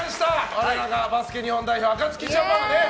我らがバスケ日本代表アカツキジャパンね。